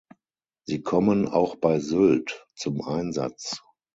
Sie kommen auch bei Sylt zum Einsatz.